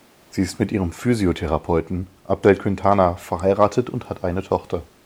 Sie ist mit ihrem Physiotherapeuten, Abdel Quintana, verheiratet und hat eine Tochter.